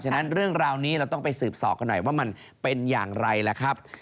ฉะนั้นเรื่องราวนี้เราต้องไปสืบสอบกันหน่อยว่ามันเป็นอย่างไรล่ะครับ